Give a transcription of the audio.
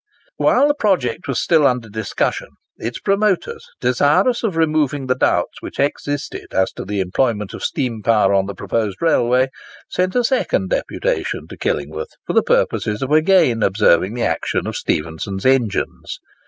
While the project was still under discussion, its promoters, desirous of removing the doubts which existed as to the employment of steam power on the proposed railway, sent a second deputation to Killingworth for the purpose of again observing the action of Stephenson's engines.